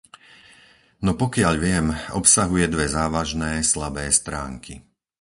No pokiaľ viem, obsahuje dve závažné slabé stránky.